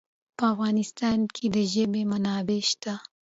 په افغانستان کې د ژبې منابع شته.